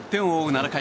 ７回